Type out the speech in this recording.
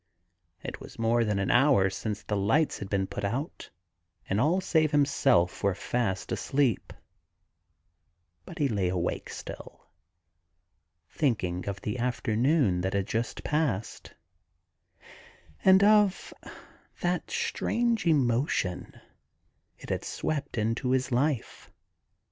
It was more than an hour since the lights hod been put out, and all save himself were fast asleep ; but he lay awake still, thinking of the after noon that had just passed, and of the strange emotion it bad swept into His life.